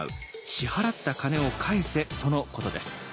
支払った金を返せ」とのことです。